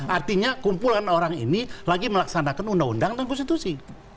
artinya kumpulan orang ini lagi melaksanakan undang undang dan konstitusi